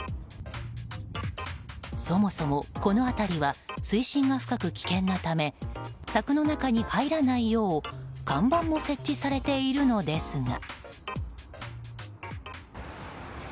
そもそも、この辺りは水深が深く危険なため柵の中に入らないよう看板も設置されているのですが。